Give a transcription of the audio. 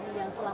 di denpasar bali